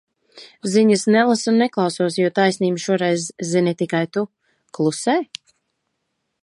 Ziņas nelasu un neklausos, jo taisnību šoreiz zini tikai tu. Klusē?